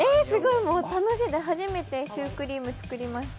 楽しい、初めてシュークリーム作りました。